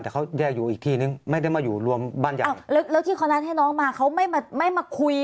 แต่เขาจะอยู่อีกที่นึงไม่ได้มาอยู่รวมบ้านใหญ่อ้าวแล้วแล้วที่เขานัดให้น้องมาเขาไม่มาไม่มาคุย